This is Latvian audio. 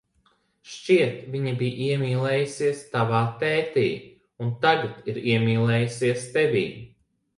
Šķiet, viņa bija iemīlējusies tavā tētī un tagad ir iemīlējusies tevī.